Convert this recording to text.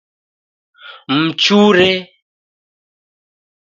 Mchure